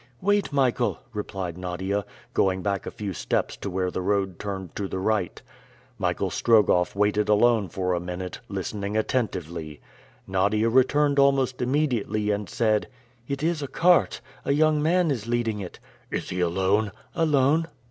"Wait, Michael!" replied Nadia, going back a few steps to where the road turned to the right. Michael Strogoff waited alone for a minute, listening attentively. Nadia returned almost immediately and said, "It is a cart. A young man is leading it." "Is he alone?" "Alone."